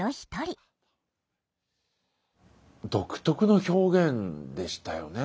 独特の表現でしたよね。